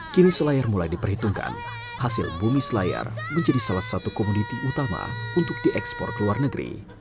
kini selayar mulai diperhitungkan hasil bumi selayar menjadi salah satu komoditi utama untuk diekspor ke luar negeri